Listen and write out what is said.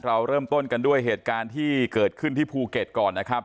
เราเริ่มต้นกันด้วยเหตุการณ์ที่เกิดขึ้นที่ภูเก็ตก่อนนะครับ